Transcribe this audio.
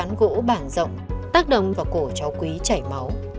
dùng dao cán gỗ bảng rộng tác động vào cổ cháu quý chảy máu